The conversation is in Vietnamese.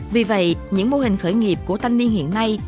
vì vậy những mô hình khởi nghiệp của thanh niên hiện nay